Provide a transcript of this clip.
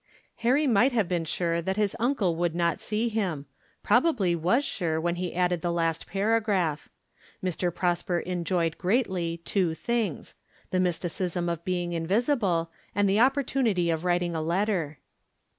Harry might have been sure that his uncle would not see him, probably was sure when he added the last paragraph. Mr. Prosper enjoyed greatly two things, the mysticism of being invisible and the opportunity of writing a letter.